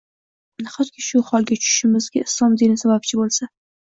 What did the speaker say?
Nahotki, shu holga tushishimizga islom dini sababchi bo‘lsa?